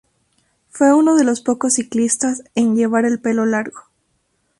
Fue uno de los pocos ciclistas en llevar el pelo largo.